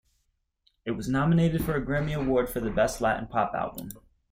It was nominated for a Grammy award for best Latin pop album.